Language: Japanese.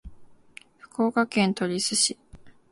福岡県鳥栖市